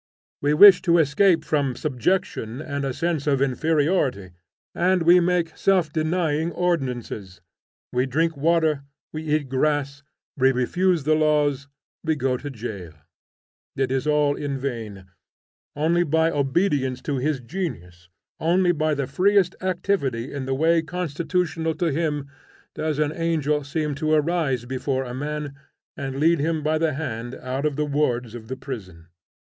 We wish to escape from subjection and a sense of inferiority, and we make self denying ordinances, we drink water, we eat grass, we refuse the laws, we go to jail: it is all in vain; only by obedience to his genius, only by the freest activity in the way constitutional to him, does an angel seem to arise before a man and lead him by the hand out of all the wards of the prison.